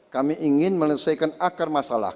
kami ingin melesaikan akar masalah